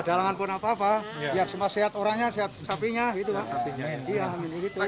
dalangan pun apa apa ya sempat sehat orangnya sehat sapinya gitu pak